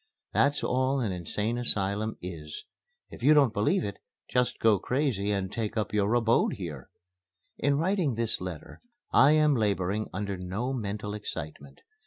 That's all an Insane Asylum is. If you don't believe it, just go crazy and take up your abode here. In writing this letter I am laboring under no mental excitement.